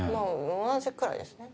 まぁ同じくらいですね。